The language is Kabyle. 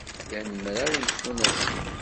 Lan mraw n tfunasin.